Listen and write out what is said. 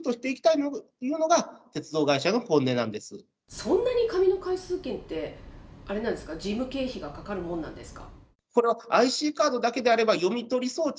そんなに紙の回数券って、あれなんですか、事務経費がかかるもんなんですか。